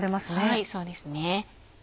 はいそうですね。